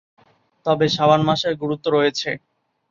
তবে শাবান মাসের গুরুত্ব রয়েছে।